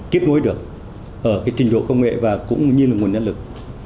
kết nối được ở trình độ công nghệ và cũng như là nguồn nhân lực